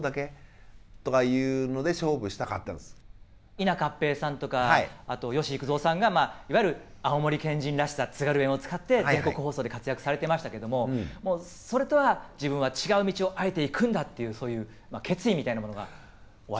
伊奈かっぺいさんとかあと吉幾三さんがいわゆる青森県人らしさ津軽弁を使って全国放送で活躍されてましたけどももうそれとは自分は違う道をあえて行くんだっていうそういう決意みたいなものがおありだったんですね。